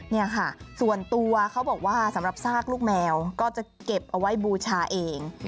นี่ค่ะส่วนตัวเขาบอกว่าสำหรับซากลูกแมวก็จะเก็บเอาไว้บูชาเอง